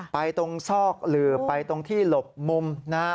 ตรงซอกหลืบไปตรงที่หลบมุมนะฮะ